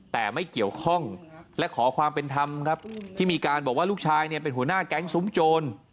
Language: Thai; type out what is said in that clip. แต่ไม่เกี่ยวข้องและขอความเป็นธรรมครับที่มีการบอกว่าลูกชายเนี่ยเป็นหัวหน้าแก๊งซุ้มโจร